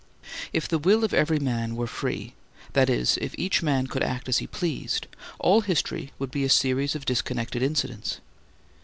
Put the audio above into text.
If the will of every man were free, that is, if each man could act as he pleased, all history would be a series of disconnected incidents.